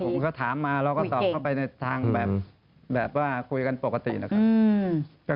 ผมก็ถามมาเราก็ตอบเข้าไปในทางแบบว่าคุยกันปกตินะครับ